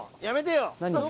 やめてよ。